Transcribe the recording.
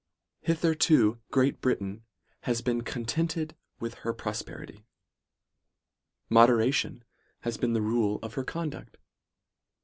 ' Hitherto Great Britain has been contented with her prosperity, moderation has been the rule of her conduct.